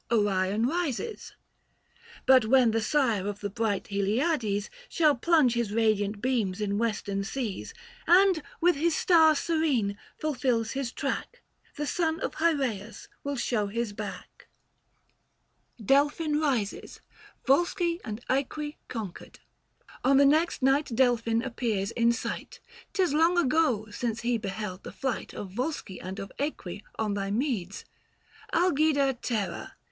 ORION PISES. But when the sire of the bright Heliades Shall plunge his radiant beams in Western seas, And, with his star serene, fulfills his track, The son of Hyreius will show his back. 865 Book VI. THE FASTI. 205 XV. KAL. JUL. DELPHIN KISES. VOLSCI AND JEQUI CONQUEKED. On the next night Delphin appears in sight : 'Tis long ago since he beheld the flight Of Yolsci and of iEqui on thy meads, Algida terra